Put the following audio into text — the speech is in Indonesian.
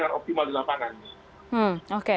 dengan optimal di lapangan